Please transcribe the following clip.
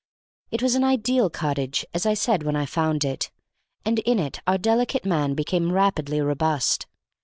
It was an ideal cottage, as I said when I found it, and in it our delicate man became rapidly robust.